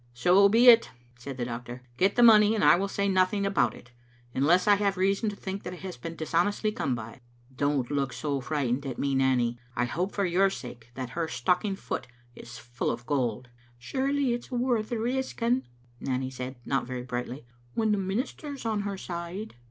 " So be it," said the doctor. " Get the money, and I will say nothing about it, unless I have reason to think that it has been dishonestly come by. Don't look so frightened at me, Nanny. I hope for your sake that her stocking foot is full of gold." "Surely it's worth risking," Nanny said, not very brightly, "when the minister's on her side."